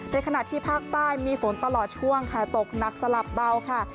ขณะที่ภาคใต้มีฝนตลอดช่วงค่ะตกหนักสลับเบาค่ะ